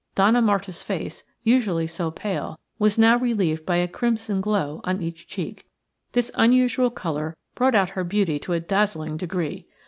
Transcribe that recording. Donna Marta's face, usually so pale, was now relieved by a crimson glow on each cheek. This unusual colour brought out her beauty to a dazzling degree.